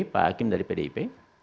pak hakim dari pdip